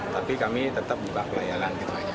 tapi kami tetap juga pelayanan gitu aja